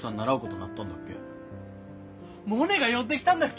モネが呼んできたんだっけ？